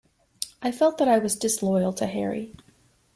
I felt that I was disloyal to Harry.